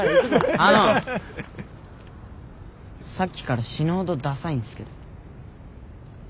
あのさっきから死ぬほどダサいんすけど。